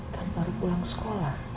kan baru pulang sekolah